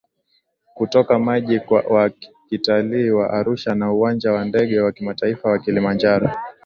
kutoka mji wa kitalii wa Arusha na Uwanja wa Ndege wa Kimataifa wa Kilimanjaro